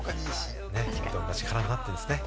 うどんが力になってるんですね。